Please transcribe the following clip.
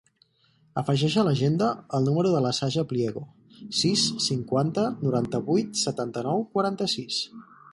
Afegeix a l'agenda el número de la Saja Pliego: sis, cinquanta, noranta-vuit, setanta-nou, quaranta-sis.